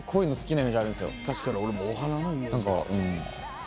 確かに俺もお花のイメージ。